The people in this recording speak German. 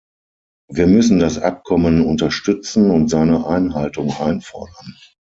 Wir müssen das Abkommen unterstützen und seine Einhaltung einfordern.